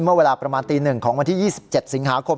เมื่อเวลาประมาณตี๑ของวันที่๒๗สิงหาคม